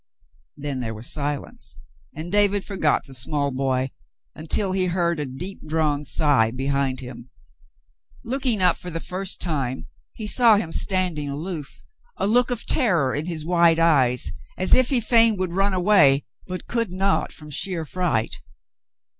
Then there was silence, and David forgot the small boy until he heard a deep drawn sigh behind him. Looking up for the first time, he saw him standing aloof, a look of terror in his wide eyes as if he fain would run away, but could not from sheer fright.